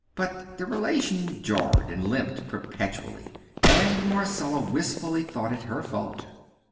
But the relation jarred and limped perpetually, and Marcella wistfully thought it her fault.